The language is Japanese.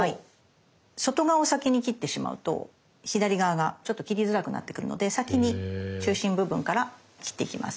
外側を先に切ってしまうと左側がちょっと切りづらくなってくるので先に中心部分から切っていきます。